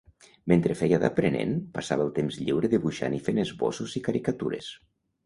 Mentre feia d'aprenent, passava el temps lliure dibuixant i fent esbossos i caricatures.